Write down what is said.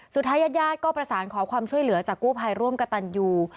ญาติญาติก็ประสานขอความช่วยเหลือจากกู้ภัยร่วมกับตันยู